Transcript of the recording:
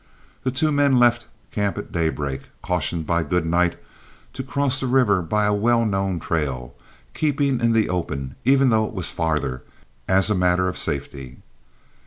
The two men left camp at daybreak, cautioned by Goodnight to cross the river by a well known trail, keeping in the open, even though it was farther, as a matter of safety.